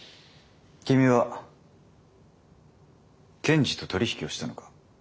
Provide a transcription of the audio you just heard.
君は検事と取り引きをしたのか？